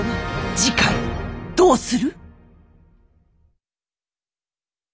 次回どうする？